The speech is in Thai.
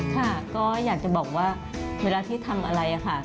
ค่ะก็อยากจะบอกว่าเวลาที่ทำอะไรค่ะ